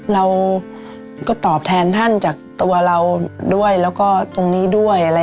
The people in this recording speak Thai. เราก็ตอบแทนท่านจากตัวเราด้วยแล้วก็ตรงนี้ด้วยอะไร